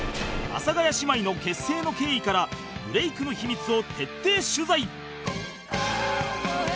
阿佐ヶ谷姉妹の結成の経緯からブレイクの秘密を徹底取材